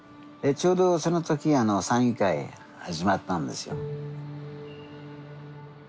ちょうどその時山友会始まったんですよ。